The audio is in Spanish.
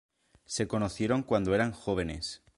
Se conocieron cuando eran jóvenes.